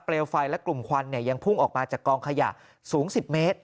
ไฟและกลุ่มควันยังพุ่งออกมาจากกองขยะสูง๑๐เมตร